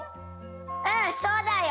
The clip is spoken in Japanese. うんそうだよ！